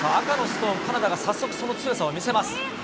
赤のストーン、カナダが早速、その強さを見せます。